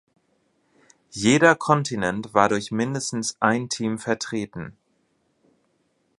Jeder Kontinent war durch mindestens ein Team vertreten.